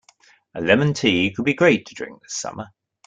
A lemon tea could be great to drink this summer.